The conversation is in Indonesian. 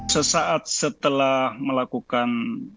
sesaat setelah melakukan pembunuhan dan mutilasi